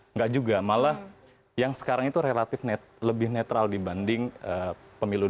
enggak juga malah yang sekarang itu relatif lebih netral dibanding pemilu dua ribu dua puluh